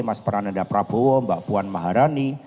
mas prananda prabowo mbak puan maharani